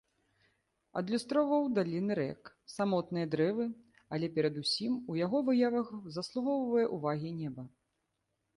Адлюстроўваў даліны рэк, самотныя дрэвы, але перад усім у яго выявах заслугоўвае ўвагі неба.